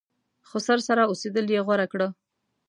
خسر سره اوسېدل یې غوره کړه.